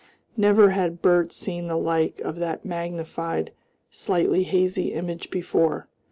Never had Bert seen the like of that magnified slightly hazy image before.